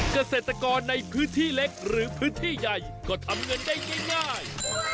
เกษตรกรในพื้นที่เล็กหรือพื้นที่ใหญ่ก็ทำเงินได้ง่าย